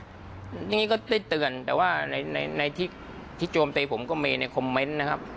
อย่างนี้ก็ได้เตือนแต่ว่าในที่โจมตีผมก็มีในคอมเมนต์นะครับ